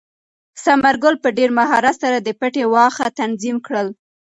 ثمر ګل په ډېر مهارت سره د پټي واښه تنظیم کړل.